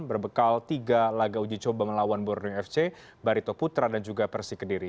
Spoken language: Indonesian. berbekal tiga laga uji coba melawan borde fc barito putra dan juga persi kediri